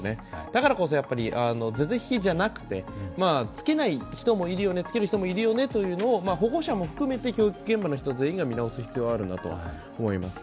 だからこそ是々非々じゃなくてつけない人もいるよね、つける人もいるよねという、保護者も含めて教育現場の人全員が見直す必要があるなと思います。